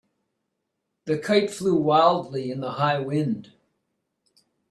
The kite flew wildly in the high wind.